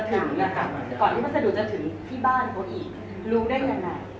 แต่ก่อนที่วัสดุจะถึงที่บ้านเขาอีกรู้ได้ยังไง